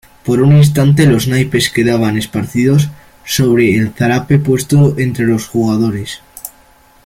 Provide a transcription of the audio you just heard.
por un instante los naipes quedaban esparcidos sobre el zarape puesto entre los jugadores.